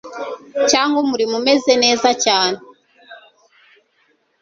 cyangwa umurimo umeze neza cyane